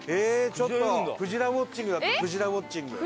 ちょっとくじらウォッチングだってくじらウォッチング。